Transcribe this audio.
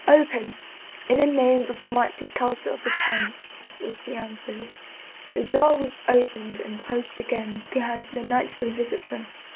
" Open ! in the name of the Mighty Council of the Ten !" was the answer. The door was opened and closed again be hind the nightly visitor.